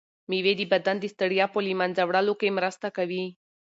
مېوې د بدن د ستړیا په له منځه وړلو کې مرسته کوي.